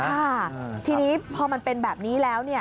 ค่ะทีนี้พอมันเป็นแบบนี้แล้วเนี่ย